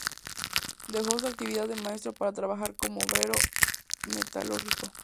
Dejó su actividad de maestro para trabajar como obrero metalúrgico.